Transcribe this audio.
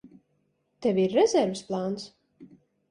Tev ir rezerves plāns?